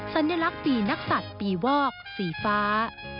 สัญลักษณ์ปีนักศัตริย์ปีวอกสีฟ้า